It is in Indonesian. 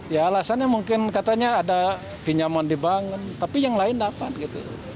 ya alasannya mungkin katanya ada pinjaman dibangun tapi yang lain dapat gitu